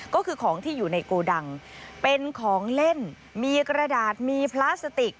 ก็คือของที่อยู่ในโกดังเป็นของเล่นมีกระดาษมีพลาสติก